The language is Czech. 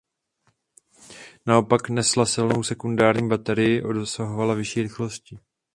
Naopak nesla silnou sekundární baterii a dosahovala vyšší rychlosti.